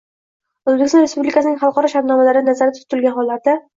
O‘zbekiston Respublikasining xalqaro shartnomalarida nazarda tutilgan hollarda.